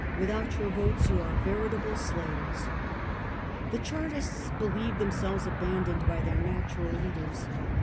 Without your votes you are verit able slaves.' The Chartists believed themselves abandoned by their natural leaders.